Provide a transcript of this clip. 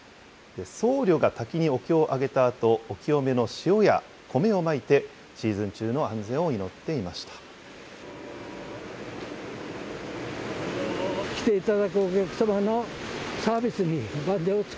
僧侶が滝にお経をあげたあと、お清めの塩や米をまいて、シーズン中の安全を祈っていました。